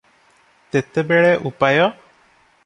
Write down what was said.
ତେତେବେଳେ ଉପାୟ?